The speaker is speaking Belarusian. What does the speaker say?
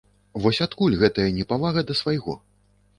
Вось адкуль гэтая непавага да свайго?